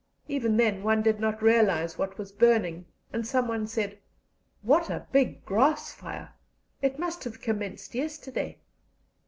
Even then one did not realize what was burning, and someone said: "What a big grass fire! It must have commenced yesterday."